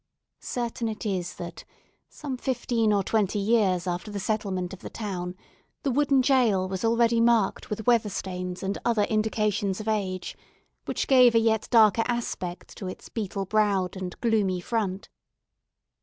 Certain it is that, some fifteen or twenty years after the settlement of the town, the wooden jail was already marked with weather stains and other indications of age, which gave a yet darker aspect to its beetle browed and gloomy front.